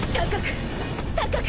高く！